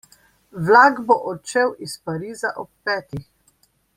Vlak bo odšel iz Pariza ob petih.